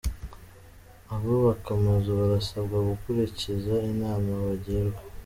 Abubaka amazu barasabwa gukurikiza inama bagirwa